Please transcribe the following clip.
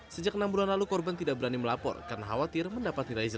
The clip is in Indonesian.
sejak enam bulan lalu korban tidak berani melapor karena khawatir mendapatkan riset